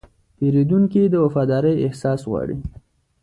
پیرودونکی د وفادارۍ احساس غواړي.